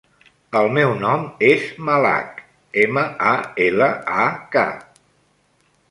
El meu nom és Malak: ema, a, ela, a, ca.